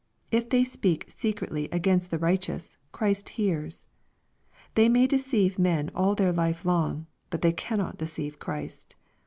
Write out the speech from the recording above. If they speak secretly against the righteous, Christ hears. They may deceive men all their life long, but they cannot deceive Christ.